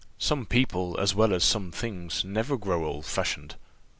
Some people, as well as some things, never grow old fashioned.